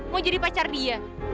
mau jadi pacar dia